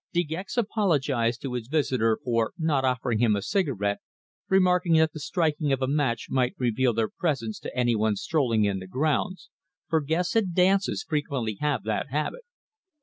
De Gex apologized to his visitor for not offering him a cigarette, remarking that the striking of a match might reveal their presence to anyone strolling in the grounds, for guests at dances frequently have that habit.